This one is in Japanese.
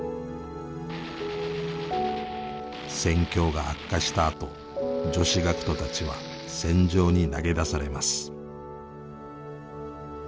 戦況が悪化したあと女子学徒たちは戦場に投げ出されます。